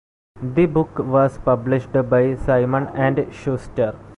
The book was published by Simon and Schuster.